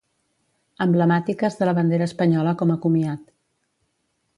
Emblemàtiques de la bandera espanyola com a comiat.